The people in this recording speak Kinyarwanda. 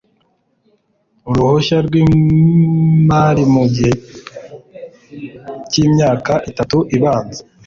uruhushya rw imari mu gihe cy myaka itatu ibanza